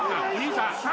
お兄さん！